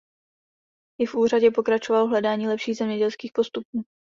I v úřadě pokračoval v hledání lepších zemědělských postupů.